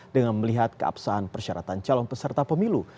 dengan melihat keabsahan persyaratan calon peserta pemilu